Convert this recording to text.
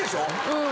うん！